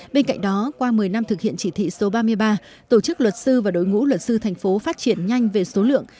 bên cạnh đó qua một mươi năm thực hiện chỉ thị số ba mươi ba tổ chức luật sư và đối ngũ luật sư thành phố phát triển nhanh về số lượng